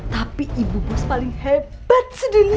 tapi ibu bos paling hebat sendiri